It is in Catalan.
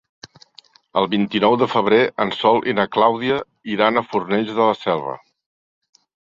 El vint-i-nou de febrer en Sol i na Clàudia iran a Fornells de la Selva.